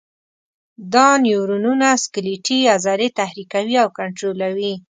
دا نیورونونه سکلیټي عضلې تحریکوي او کنټرولوي.